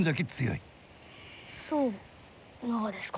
そうながですか。